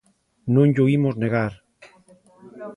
Non llo imos negar.